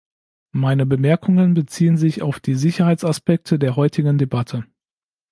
Meine Bemerkungen beziehen sich auf die Sicherheitsaspekte der heutigen Debatte.